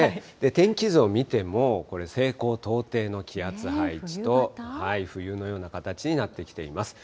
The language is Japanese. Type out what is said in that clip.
天気図を見ても、これ、西高東低の気圧配置と、冬のような形になってきています。